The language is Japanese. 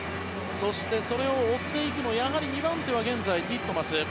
そして、それを追っていくのはやはり２番手は現在、ティットマス。